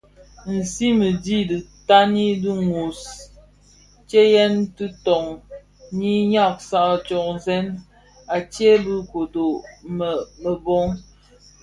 Nsiň dhi ditani di nôs, ntseyèn diton nyi nʼyaksag tsōzèn atsee bë kodo bëmebög.